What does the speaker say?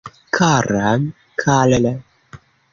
Kara Karl!